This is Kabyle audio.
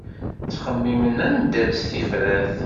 Tettxemmim anda-tt tifrat.